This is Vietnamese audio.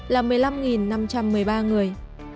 là một mươi năm năm trăm một mươi ba người